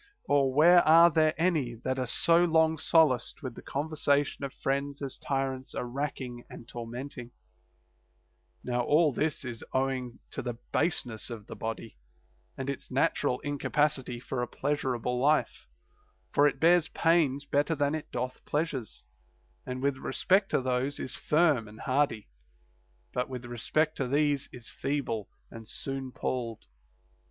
Or where are there any that are so long solaced with the conver sation of friends as tyrants are racking and tormenting 1 Now all this is owing to the baseness of the body and its natural incapacity for a pleasurable life ; for it bears pains better than it doth pleasures, and with respect to those is firm and hardy, but with respect to these is feeble and soon palled.